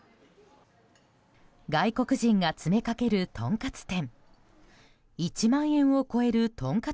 外国人が詰めかけるとんかつ店。